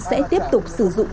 sẽ tiếp tục sử dụng